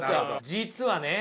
実はね